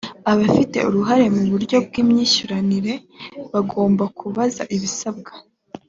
abafite uruhare mu buryo bw’imyishyuranire bagomba kuzuza ibisabwa